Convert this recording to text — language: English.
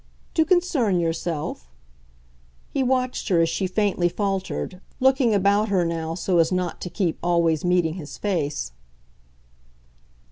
"To concern yourself ?" He watched her as she faintly faltered, looking about her now so as not to keep always meeting his face.